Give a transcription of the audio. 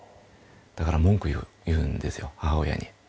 だから文句言うんですよ母親に。